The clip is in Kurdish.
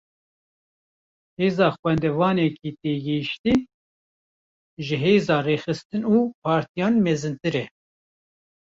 Hêza xwendevanekî têgihiştî, ji hêza rêxistin û partiyan mezintir e